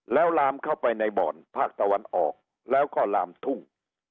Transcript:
แล้วลามเข้าไปในบ่อนภาคตะวันออกแล้วก็ลามทุ่ง